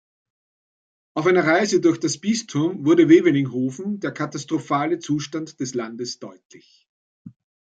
Auf einer Reise durch das Bistum wurde Wevelinghoven der katastrophale Zustand des Landes deutlich.